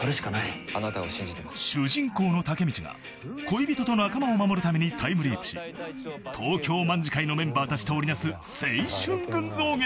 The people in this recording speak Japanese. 「あなたを信じてます」［主人公のタケミチが恋人と仲間を守るためにタイムリープし東京卍會のメンバーたちと織り成す青春群像劇］